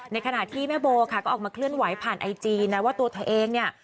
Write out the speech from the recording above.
ในขณะที่แม่โบค่ะก็ออกมาเคลื่อนไหวผ่านไอจีนะว่าตัวเธอเองเนี่ย